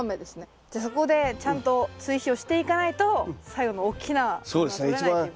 じゃそこでちゃんと追肥をしていかないと最後の大きなものはとれないということですね。